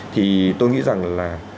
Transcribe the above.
thì tôi nghĩ rằng là